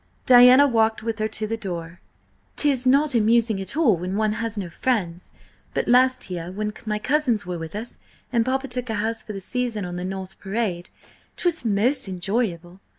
Diana walked with her to the door. "'Tis not amusing at all when one has no friends; but last year, when my cousins were with us and papa took a house for the season on the North Parade, 'twas most enjoyable.